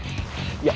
いや。